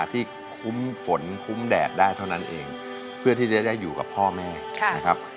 ที่คุ้มฝนคุ้มแดดได้เท่านั้นเองเพื่อที่จะได้อยู่กับพ่อแม่นะครับ